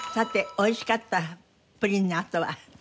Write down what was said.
美味しかったプリンのあとは。